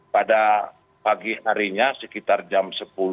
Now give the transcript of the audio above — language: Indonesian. pada pagi harinya sekitar jam sepuluh